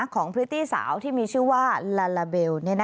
พริตตี้สาวที่มีชื่อว่าลาลาเบล